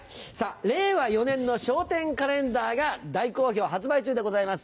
令和４年の『笑点』カレンダーが大好評発売中でございます。